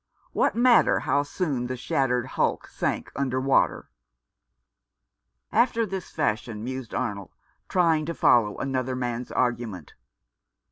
What matter how soon the shattered hulk sank under water ? After this fashion mused Arnold, trying to follow another man's argument.